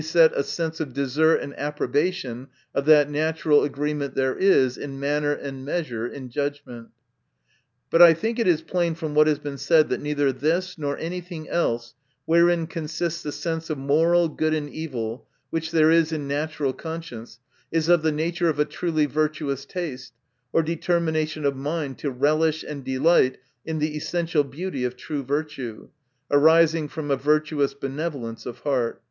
a sense of desert and approbation oi that natural agreement there is, in manner and measure, in justice. But I think it is plain from wha* been said, that neither this or any thing eke wherein consists the sense of moral good and evil which there is in natural conscience, is of the nature of a truly virtuous taste, or determination of mind to relish and delight in the essential beauty of true virtue, arising from a virtuous benevolence of heart.